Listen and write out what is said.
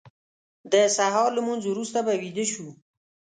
د سهار لمونځ وروسته به ویده شو.